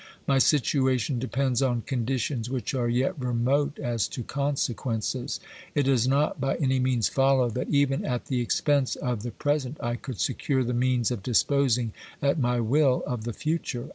My situation depends on conditions which are yet remote as to consequences. It does not by any means follow that even at the expense of the pre sent I could secure the means of disposing at my will of the future.